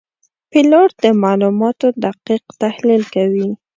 پیلوټ د معلوماتو دقیق تحلیل کوي.